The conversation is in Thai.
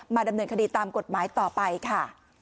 ดำเนินคดีตามกฎหมายต่อไปค่ะ